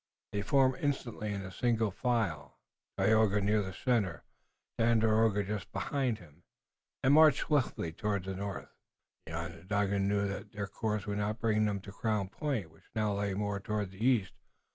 They formed instantly in single file, Tayoga near the center, Tandakora just behind him, and marched swiftly toward the north. The Onondaga knew that their course would not bring them to Crown Point, which now lay more toward the east.